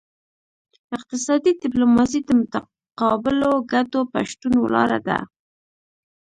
اقتصادي ډیپلوماسي د متقابلو ګټو په شتون ولاړه ده